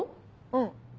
うん。